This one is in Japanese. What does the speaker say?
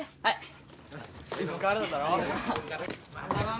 はい。